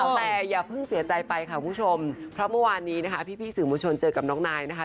แต่อย่าเพิ่งเสียใจไปค่ะคุณผู้ชมเพราะเมื่อวานนี้นะคะพี่สื่อมวลชนเจอกับน้องนายนะคะ